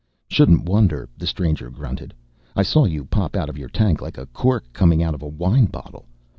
"Shouldn't wonder," the stranger grunted. "I saw you pop out of your tank like a cork coming out of a wine bottle.